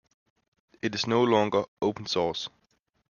It is no longer open source.